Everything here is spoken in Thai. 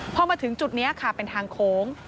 พอมาถึงจุดนี้ค่ะเป็นทางโค้ง